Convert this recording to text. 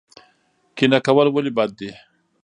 کینه کول ولې بد دي؟